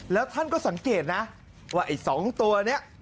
แล้วท่านก็สังเกตนะว่าไอ้๒ตัวนี้